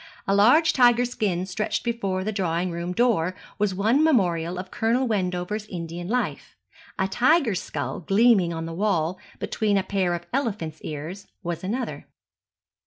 A large tiger skin stretched before the drawing room door was one memorial of Colonel Wendover's Indian life; a tiger's skull gleaming on the wall, between a pair of elephant's ears, was another.